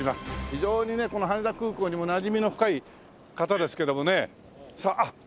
非常にねこの羽田空港にもなじみの深い方ですけどもねさああっ！